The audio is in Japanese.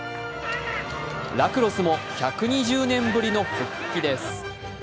ラクロスも１２０年ぶりの復帰です。